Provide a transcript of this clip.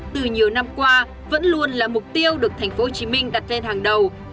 từ nhiều năm qua vẫn luôn là mục tiêu được tp hcm đặt lên hàng đầu